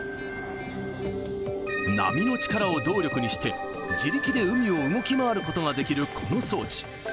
波の力を動力にして、自力で海を動き回ることができるこの装置。